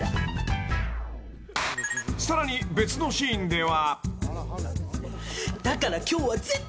［さらに別のシーンでは］